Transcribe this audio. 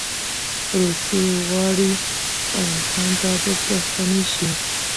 روسې غواړي افغانستان ته بیرته ستنې شي.